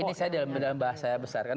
ini saya dalam bahasa besar kan